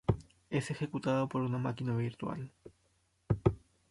Es ejecutado por una máquina virtual.